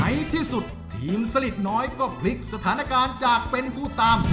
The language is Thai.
ในที่สุดทีมสลิดน้อยก็พลิกสถานการณ์จากเป็นผู้ตาม